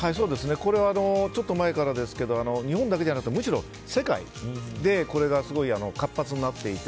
これはちょっと前からですが日本だけじゃなくてむしろ世界でこれがすごい活発になっていて。